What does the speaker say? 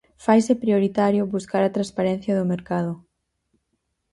Faise prioritario buscar a transparencia do mercado.